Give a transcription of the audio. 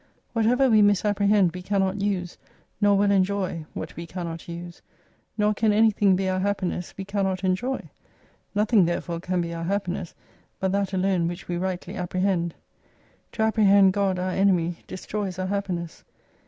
Whatever we misapprehend we cannot use ; nor well enjoy what we cannot use. Nor can anything be our happiness we cannot enjoy. Nothing therefore can be our happiness, but that alone which we rightly apprehend. To apprehend God our enemy destroys our happiness.